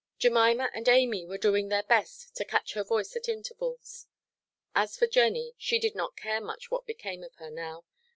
Jemima and Amy were doing their best to catch her voice at intervals. As for Jenny, she did not care much what became of her now.